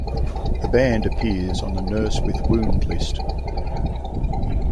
The band appears on the Nurse with Wound list.